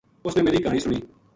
اُس نے میری گہانی سُنی